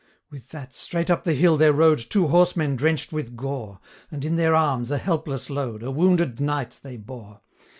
With that, straight up the hill there rode Two horsemen drench'd with gore, 855 And in their arms, a helpless load, A wounded knight they bore.